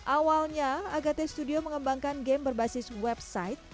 awalnya agate studio mengembangkan game berbasis website